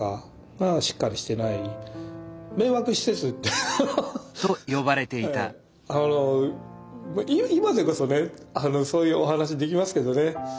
ええあの今でこそねそういうお話できますけどね。